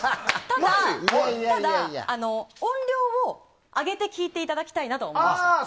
ただ、音量を上げて聴いていただきたいなと思いました。